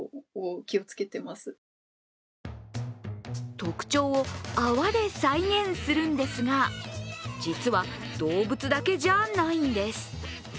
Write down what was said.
特徴を泡で再現するんですが、実は、動物だけじゃないんです。